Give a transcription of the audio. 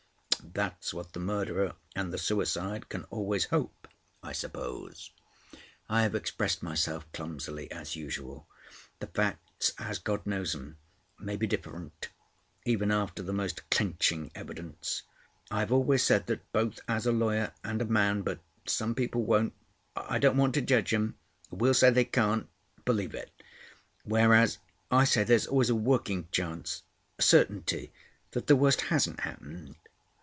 "That's what the murderer and the suicide can always hope—I suppose." "I have expressed myself clumsily as usual. The facts as God knows 'em—may be different—even after the most clinching evidence. I've always said that—both as a lawyer and a man, but some people won't—I don't want to judge 'em—we'll say they can't—believe it; whereas I say there's always a working chance—a certainty—that the worst hasn't happened."